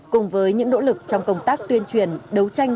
cùng với những nỗ lực trong công tác tuyên truyền đấu tranh